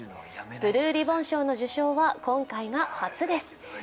ブルーリボン賞の受賞は今回が初です。